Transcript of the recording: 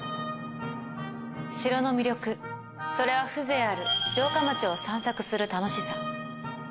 城の魅力、それは風情ある城下町を散策する楽しさ。